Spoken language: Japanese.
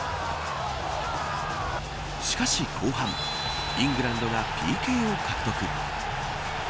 しかし、後半イングランドがＰＫを獲得。